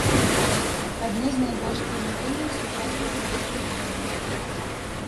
Адны з найбольш прымітыўных сучасных марскіх зорак.